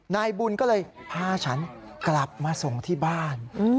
นายบุญก็เลยพาฉันกลับมาส่งที่บ้าน